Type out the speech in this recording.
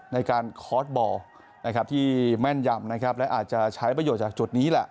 ในการคอร์สบอลที่แม่นยำและอาจจะใช้ประโยชน์จากจุดนี้